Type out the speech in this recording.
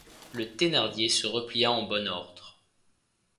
Le Thénardier se replia en bon ordre.